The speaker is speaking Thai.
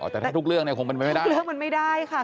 แต่ถ้าทุกเรื่องเนี่ยคงเป็นไปไม่ได้ทุกเรื่องมันไม่ได้ค่ะ